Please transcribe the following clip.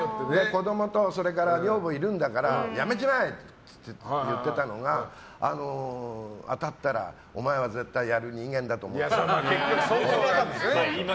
子供と女房がいるんだからやめちまえ！って言ってたのが当たったら、お前は絶対やる人間だと思ったって。